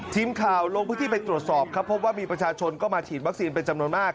ทีมข่าวลงพื้นที่ไปตรวจสอบครับพบว่ามีประชาชนก็มาฉีดวัคซีนเป็นจำนวนมาก